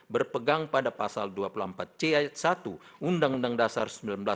berpegang pada pasal dua puluh empat c ayat satu undang undang dasar seribu sembilan ratus empat puluh lima